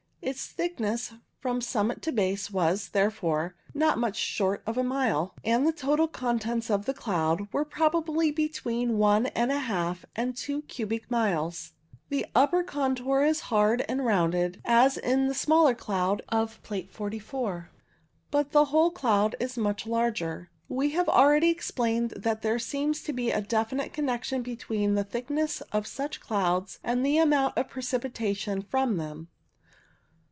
Its thickness from summit to base was, therefore, not much short of a mile, and the total contents of the cloud were probably between one and a half and two cubic miles. The upper contour is hard and rounded, as in the smaller cloud of Plate 44, but the whole cloud is much larger. We have already explained that there seems to be a definite connection between the thickness of such clouds and the amount of precipitation from them.